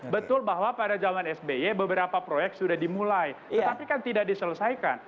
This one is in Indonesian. betul bahwa pada zaman sby beberapa proyek sudah dimulai tetapi kan tidak diselesaikan